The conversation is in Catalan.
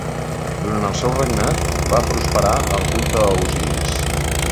Durant el seu regnat, va prosperar el culte a Osiris.